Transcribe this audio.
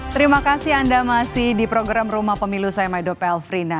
terima kasih anda masih di program rumah pemilu saya maido pelfrina